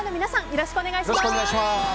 よろしくお願いします。